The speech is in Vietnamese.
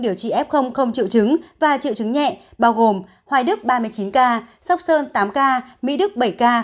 điều trị f không triệu chứng và triệu chứng nhẹ bao gồm hoài đức ba mươi chín ca sóc sơn tám ca mỹ đức bảy ca